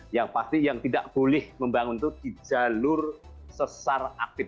yang pasti yang tidak boleh membangun itu di jalur sesar aktif